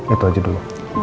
itu aja dulu